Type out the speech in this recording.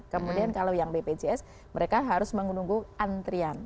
kemudian kalau yang bpjs mereka harus menunggu antrian